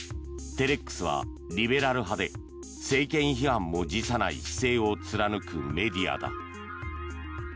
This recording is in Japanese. テレックスはリベラル派で政権批判も辞さない姿勢を貫くメディアだ。